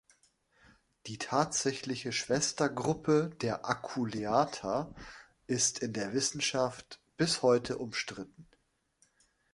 Die tatsächliche Schwestergruppe der Aculeata ist in der Wissenschaft bis heute umstritten.